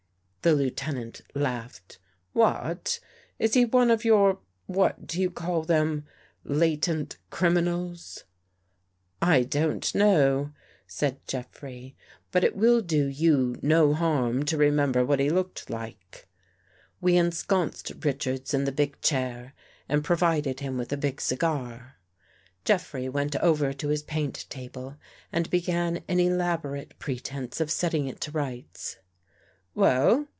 The Lieutenant laughed. " What? Is he one of your — what do you call them — latent crim inals ?"" I don't know," said Jeffrey. " But it will do you no harm to remember what he looked like." We ensconced Richards in the big chair and provided him with a big cigar. Jeffrey went over to his paint table and began an elaborate pretense of setting it to rights. "Well?"